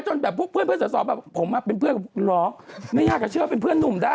จนแบบเพื่อนสอสอผมเป็นเพื่อนร้องไม่ยากจะเชื่อว่าเป็นเพื่อนหนุ่มได้